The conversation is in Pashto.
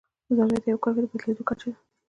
زاویه د یوې کرښې د بدلیدو کچه ده.